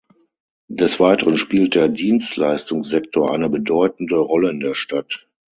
Des Weiteren spielt der Dienstleistungssektor eine bedeutende Rolle in der Stadt.